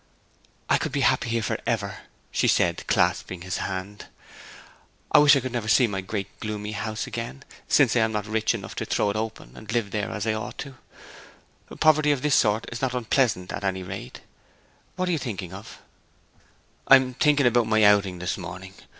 'I could be happy here for ever,' said she, clasping his hand. 'I wish I could never see my great gloomy house again, since I am not rich enough to throw it open, and live there as I ought to do. Poverty of this sort is not unpleasant at any rate. What are you thinking of?' 'I am thinking about my outing this morning.